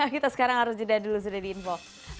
kita sekarang harus jeda dulu sudah diinfo